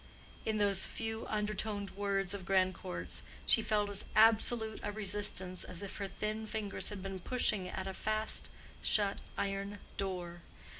In those few undertoned words of Grandcourt's she felt as absolute a resistance as if her thin fingers had been pushing at a fast shut iron door.